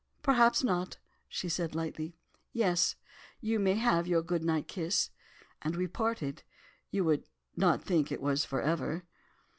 "'Perhaps not,' she said, lightly. 'Yes! you may have your good night kiss,' and we parted. You would not think it was for ever.